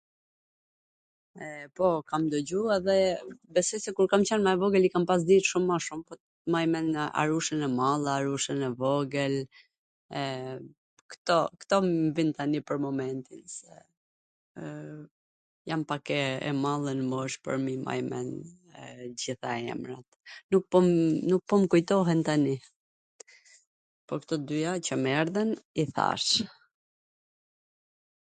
E, po, kam dwgju edhe besoj se kur kam qwn mw e vogwl i kam pas dit shum ma shum, maj mend Arushwn e Madhe, Arushwn e Vogwl, kto, kto m vin tani pwr momentin, se jam pak e madhe nw mosh pwr me i maj men t gjitha emrat, nuk po m nuk po m kujtohen tani, po kto t dyja qw mw erdhwn i thash.